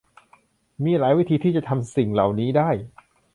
มีหลายวิธีที่จะทำสิ่งเหล่านี้ได้